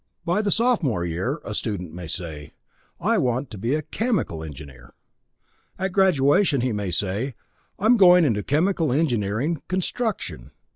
By the sophomore year, a student may say, "I want to be a chemical engineer." At graduation, he may say, "I'm going into chemical engineering construction."